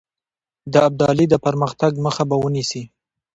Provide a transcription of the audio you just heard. د ابدالي د پرمختګ مخه به ونیسي.